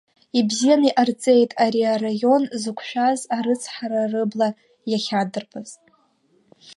Ибзиан иҟарҵеит ари араион зықәшәаз арыцҳара рыбла иахьадырбаз.